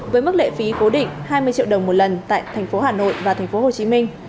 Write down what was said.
với mức lệ phí cố định hai mươi triệu đồng một lần tại thành phố hà nội và thành phố hồ chí minh